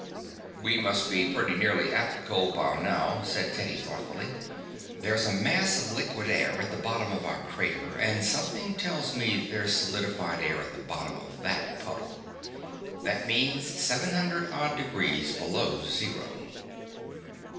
"We must be pretty nearly at the cold bomb now," said Teddy thoughtfully. "There's a mass of liquid air at the bottom of our crater, and something tells me there's solidified air at the bottom of that puddle. That means seven hundred odd degrees below zero."